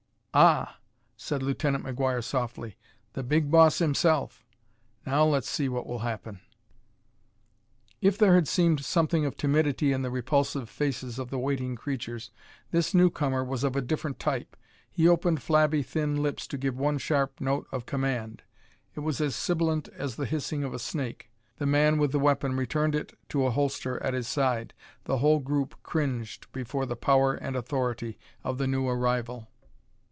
"Ah!" said Lieutenant McGuire softly, "the big boss, himself. Now let's see what will happen." If there had seemed something of timidity in the repulsive faces of the waiting creatures, this newcomer was of a different type. He opened flabby thin lips to give one sharp note of command. It was as sibilant as the hissing of a snake. The man with the weapon returned it to a holder at his side; the whole group cringed before the power and authority of the new arrival.